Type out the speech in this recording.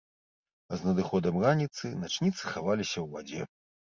А з надыходам раніцы начніцы хаваліся ў вадзе.